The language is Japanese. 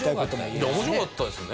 いや面白かったですね。